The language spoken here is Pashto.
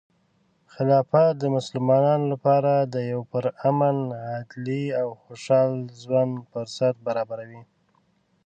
خلافت د مسلمانانو لپاره د یو پرامن، عدلي، او خوشحال ژوند فرصت برابروي.